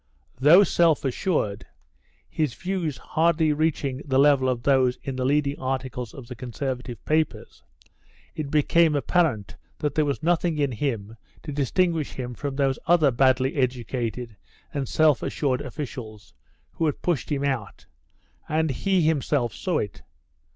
Though self assured, his views hardly reaching the level of those in the leading articles of the Conservative papers, it became apparent that there was nothing in him to distinguish him from those other badly educated and self assured officials who had pushed him out, and he himself saw it.